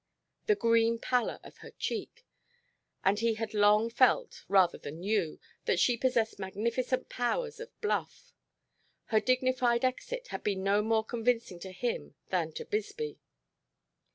The green pallor of her cheek! And he had long felt, rather than knew, that she possessed magnificent powers of bluff. Her dignified exit had been no more convincing to him than to Bisbee.